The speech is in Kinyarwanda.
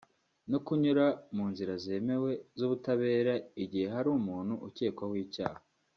no kunyura mu nzira zemewe z’ubutabera igihe hali umuntu ukekwaho icyaha